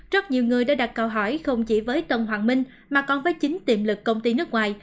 rất nhiều người đã đặt câu hỏi không chỉ với tân hoàng minh mà còn với chính tiềm lực công ty nước ngoài